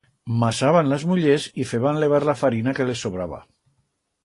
Masaban las mullers y feban levar la farina que les sobraba.